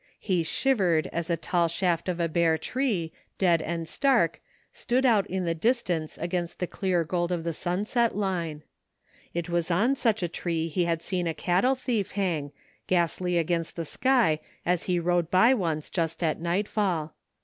He shiv ered as a tall shaft of a bare tree, dead and stark, stood 2 17 THE FINDING OF JASPER HOLT out in the distance against the dear gold of the stinset line. It was on such a tree he had seen a cattle thief hang, ghastly against the sky, as he rode by once just at nightfall.